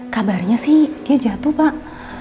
kabarnya sih dia jatuh pak